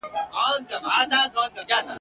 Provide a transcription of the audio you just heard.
ټولي ورځي یې په ډنډ کي تېرولې ..